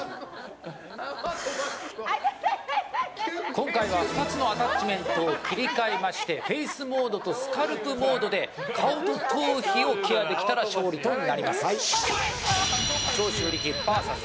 今回は２つのアタッチメントを切り替えましてフェイスモードとスカルプモードで顔と頭皮をケアできたら勝利となります。